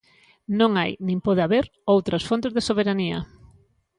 Non hai nin pode haber outras fontes de soberanía.